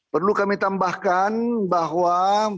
perlu kami tambahkan bahwa